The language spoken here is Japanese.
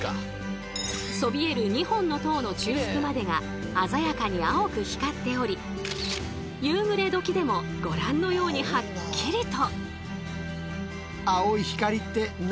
そびえる２本の塔の中腹までが鮮やかに青く光っており夕暮れ時でもご覧のようにはっきりと。